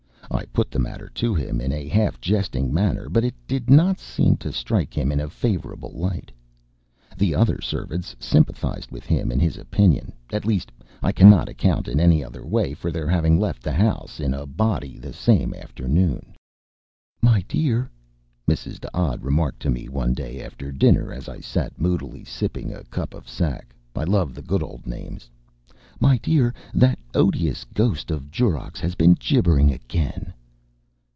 I put the matter to him in a half jesting manner; but it did not seem to strike him in a favourable light. The other servants sympathized with him in his opinion at least, I cannot account in any other way for their having left the house in a body the same afternoon. "My dear," Mrs. D'Odd remarked to me one day after dinner as I sat moodily sipping a cup of sack I love the good old names "my dear, that odious ghost of Jorrocks' has been gibbering again."